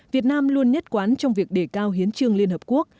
việt nam luôn nhất quán trong việc đề cao hiến trương liên hợp quốc